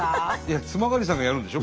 津曲さんがやるんでしょ？